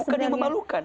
bukan yang memalukan